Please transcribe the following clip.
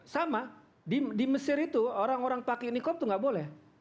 sama di mesir itu orang orang pakai nikop itu nggak boleh